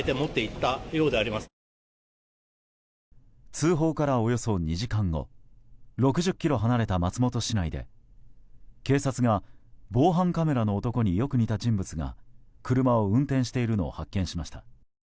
通報からおよそ２時間後６０ｋｍ離れた松本市内で警察が、防犯カメラの男によく似た人物が車を運転しているのを発見しました。